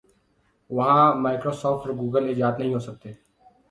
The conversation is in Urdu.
وہاں مائیکرو سافٹ اور گوگل ایجاد نہیں ہو سکتے۔